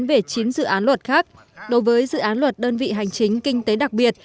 về chín dự án luật khác đối với dự án luật đơn vị hành chính kinh tế đặc biệt